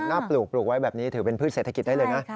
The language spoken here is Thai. ปลูกปลูกไว้แบบนี้ถือเป็นพืชเศรษฐกิจได้เลยนะ